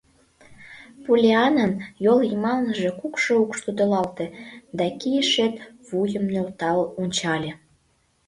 Поллианнан йол йымалныже кукшо укш тодылалте да кийышет вуйым нӧлтал ончале.